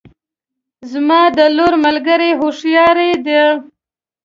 زما د لور ملګرې هوښیارې دي